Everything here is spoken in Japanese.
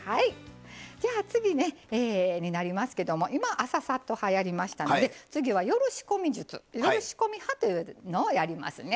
じゃあ次になりますけども今「朝サッと派」やりましたので次は夜仕込み術「夜仕込み派」というのをやりますね。